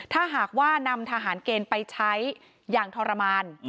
ถ้าหากว่านำทหารเกณฑ์ไปใช้อย่างทรมาน